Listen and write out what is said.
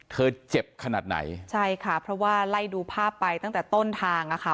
เจ็บขนาดไหนใช่ค่ะเพราะว่าไล่ดูภาพไปตั้งแต่ต้นทางอ่ะค่ะ